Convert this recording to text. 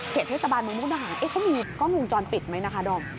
เทศบาลเมืองมุกดาหารเขามีกล้องวงจรปิดไหมนะคะดอม